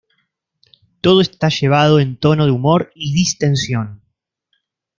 Todo está llevado en tono de humor y distensión.